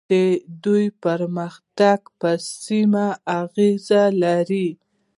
د دوی پرمختګ په سیمه اغیز لري.